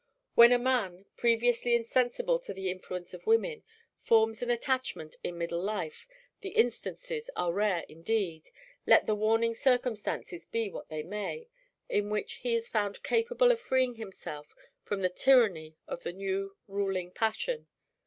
When a man, previously insensible to the influence of women, forms an attachment in middle life, the instances are rare indeed, let the warning circumstances be what they may, in which he is found capable of freeing himself from the tyranny of the new ruling passion.